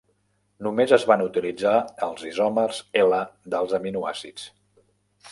Només es van utilitzar els isòmers L dels aminoàcids.